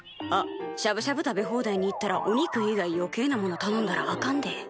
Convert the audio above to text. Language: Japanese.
あっしゃぶしゃぶ食べ放題に行ったらお肉以外余計なものたのんだらあかんで。